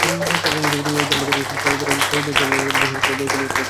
তিনি অযোধ্যার নিকট সরিদ্বরা সরযূর জলে দেহ বিসর্জন করিয়া বৈকুণ্ঠে সীতার সহিত মিলিত হইলেন।